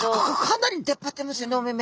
かなり出っ張ってますよねお目々。